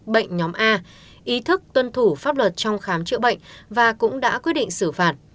bệnh nhóm a ý thức tuân thủ pháp luật trong khám chữa bệnh và cũng đã quyết định xử phạt